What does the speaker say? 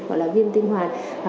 gọi là viêm tinh hoàng